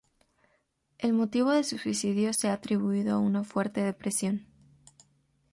El motivo de su suicidio se ha atribuido a una fuerte depresión.